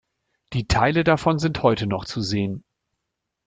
Teile davon sind heute noch zu sehen.